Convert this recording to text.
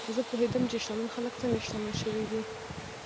زه پوهېدم چې شتمن خلک څنګه شتمن شوي دي.